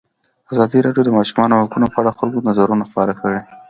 ازادي راډیو د د ماشومانو حقونه په اړه د خلکو نظرونه خپاره کړي.